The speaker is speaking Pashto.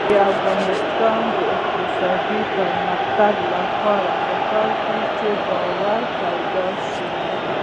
د افغانستان د اقتصادي پرمختګ لپاره پکار ده چې باور پیدا شي.